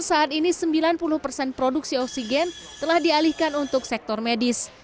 saat ini sembilan puluh persen produksi oksigen telah dialihkan untuk sektor medis